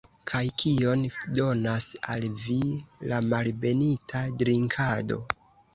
Kaj kion donas al vi la malbenita drinkado?